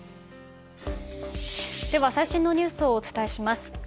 では最新のニュースをお伝えします。